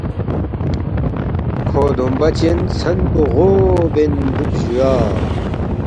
کھو دومبہ چن ژھن پو غو بین دُوکس جُویا